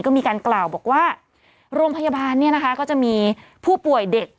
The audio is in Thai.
ก็มีการกล่าวบอกว่าโรงพยาบาลก็จะมีผู้ป่วยเด็ก